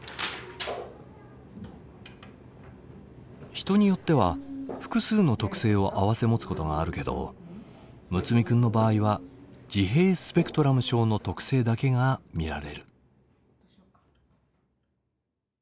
人によっては複数の特性を併せ持つことがあるけど睦弥君の場合は自閉スペクトラム症の特性だけが見られる。